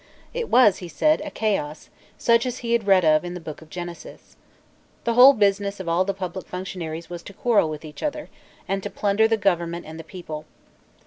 It was, he said, a chaos, such as he had read of in the book of Genesis. The whole business of all the public functionaries was to quarrel with each other, and to plunder the government and the people.